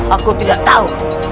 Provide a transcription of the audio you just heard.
aku tidak tahu